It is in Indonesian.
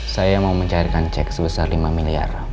saya mau mencairkan cek sebesar lima miliar